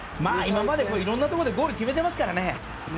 今までいろいろなところでゴールを決めてますからね。